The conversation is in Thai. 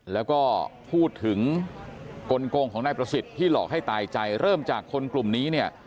แล้วก็พูดถึงกลงของนายประสิทธิ์ที่หลอกให้ตายใจเริ่มจากคนกลุ่มนี้เนี่ย